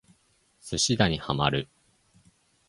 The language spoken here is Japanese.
寿司打にハマる